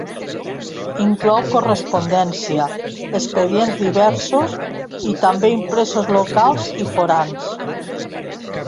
Inclou correspondència, expedients diversos i també impresos locals i forans.